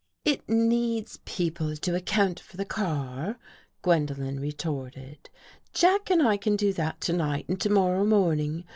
" It needs people to account for the car," Gwen dolen retorted. " Jack and I can do that tonight and to morrow morning.